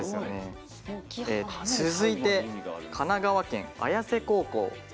続いて、神奈川県、綾瀬高校。